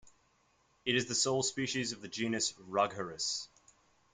It is the sole species of the genus Rhagerhis.